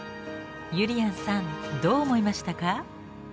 ゆりやんさんどう思いましたか？